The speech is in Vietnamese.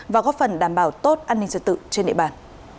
và góp phần đảm bảo tốt an ninh trật tự trên địa bàn